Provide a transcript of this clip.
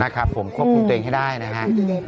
ควบคุมตัวเองให้ได้นะฮะ